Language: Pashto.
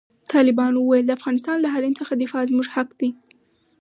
طالبانو وویل، د افغانستان له حریم څخه دفاع زموږ حق دی.